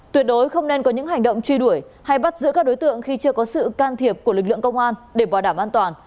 tuyệt đối không nên có những hành động truy đuổi hay bắt giữ các đối tượng khi chưa có sự can thiệp của lực lượng công an để bảo đảm an toàn